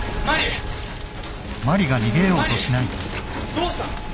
どうした？